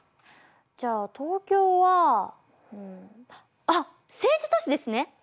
じゃあ東京はあっ政治都市ですね！